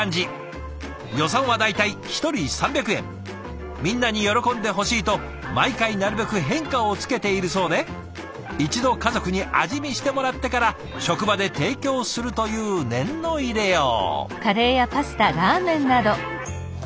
予算は大体１人３００円みんなに喜んでほしいと毎回なるべく変化をつけているそうで一度家族に味見してもらってから職場で提供するという念の入れよう。